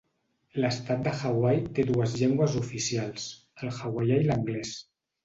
L'estat de Hawaii té dues llengües oficials: el hawaià i l'anglès.